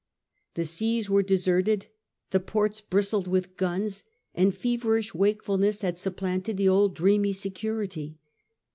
The seas were deserted, the ports bristled with guns, and feverish wakefulness had supplanted the old dreamy security.